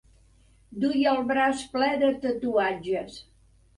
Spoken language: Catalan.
Duia el braç ple de tatuatges.